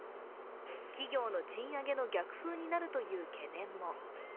企業の賃上げの逆風になるという懸念も。